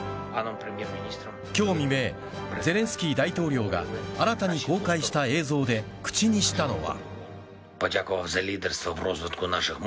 今日未明ゼレンスキー大統領が新たに公開した映像で口にしたのは。